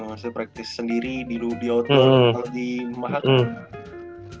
maksudnya practice sendiri di auto atau di mahaka